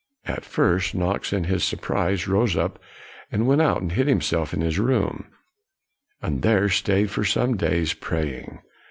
At first, Knox, in his surprise, rose up and went out and hid himself in his room, and there stayed for some days praying.